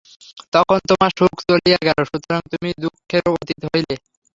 তখন তোমার সুখ চলিয়া গেল, সুতরাং তুমি দুঃখেরও অতীত হইলে।